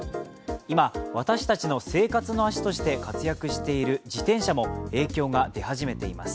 今私たちの生活の足として活躍している活躍している自転車も影響が出始めています。